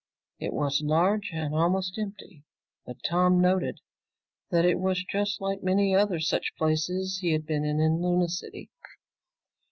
It was large and almost empty. But Tom noted that it was just like many other such places he had been in in Luna City.